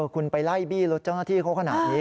คุณไปไล่บี้รถเจ้าหน้าที่เขาขนาดนี้